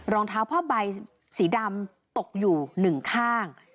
รองเท้าผ้าใบสีดำตกอยู่หนึ่งข้าง